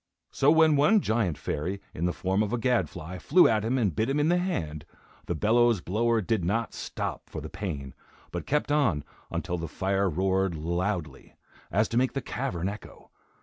So when one giant fairy, in the form of a gadfly, flew at him, and bit him in the hand, the bellows blower did not stop for the pain, but kept on until the fire roared loudly, as to make the cavern echo.